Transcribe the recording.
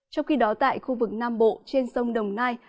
trong khi đó tại khu vực nam bộ trên sông đồng nai